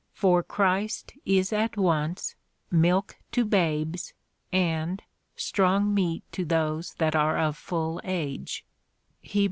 For Christ is at once milk to babes, and strong meat to those that are of full age, (Heb.